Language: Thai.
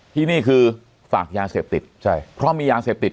ที่นี่คือฝากยาเสพติดใช่เพราะมียาเสพติด